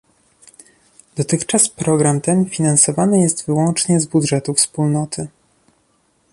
Dotychczas program ten finansowany jest wyłącznie z budżetu Wspólnoty